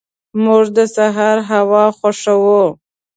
موږ د سهار هوا خوښو.